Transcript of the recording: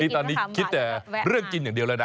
ตอนนี้คิดแต่เรื่องกินอย่างเดียวแล้วนะ